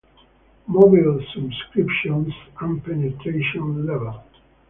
Mobile Subscriptions and Penetration level.